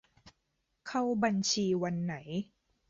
เข้าบัญชีวันไหน